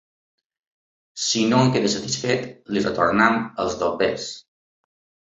Si no en queda satisfet li retornem els diners.